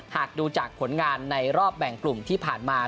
หากดูจากผลงานในรอบแบ่งกลุ่มที่ผ่านมา